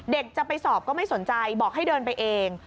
เด็กจะไปสอบก็ไม่สนใจบอกให้เดินไปเอง